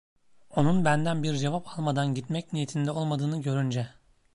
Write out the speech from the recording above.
Onun benden bir cevap almadan gitmek niyetinde olmadığını görünce.